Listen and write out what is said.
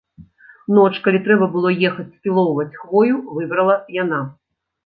Ноч, калі трэба было ехаць спілоўваць хвою, выбрала яна.